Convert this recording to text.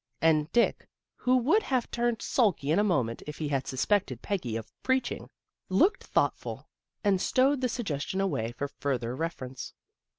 And Dick, who would have turned sulky in a moment if he had suspected Peggy of " preaching," looked thoughtful, and stowed the suggestion away for further reference.